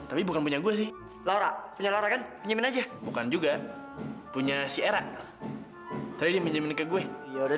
aku sembunyi di mana ya